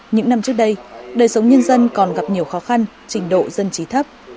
những năm trước đây đời sống nhân dân còn gặp nhiều khó khăn trình độ dân trí thấp